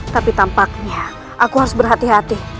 tapi tampaknya aku harus berhati hati